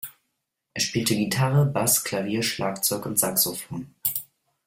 Er spielte Gitarre, Bass, Klavier, Schlagzeug und Saxophon.